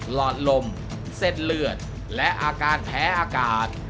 หลอดลมเส้นเลือดและอาการแพ้อากาศ